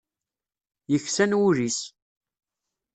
Yeksan wul-is.